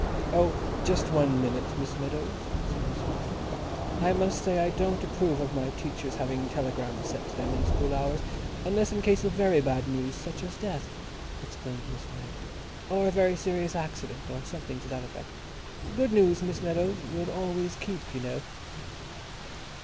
"Oh, just one minute, Miss Meadows," said Miss Wyatt. "I must say I don't approve of my teachers having telegrams sent to them in school hours, unless in case of very bad news, such as death," explained Miss Wyatt, "or a very serious accident, or something to that effect. Good news, Miss Meadows, will always keep, you know."